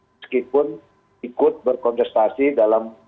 meskipun ikut berkontestasi dalam